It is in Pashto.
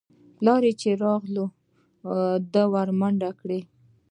پلار چې يې راغى ده ورمنډه کړه.